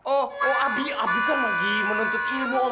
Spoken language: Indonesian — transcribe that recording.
oh abi kan lagi menuntut ilmu om